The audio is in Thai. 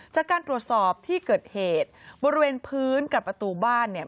จากการตรวจสอบที่เกิดเหตุบริเวณพื้นกับประตูบ้านเนี่ย